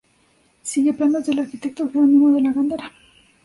Sigue planos del arquitecto Jerónimo de la Gándara.